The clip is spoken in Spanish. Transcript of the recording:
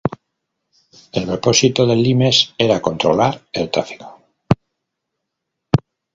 El propósito del limes era controlar el tráfico.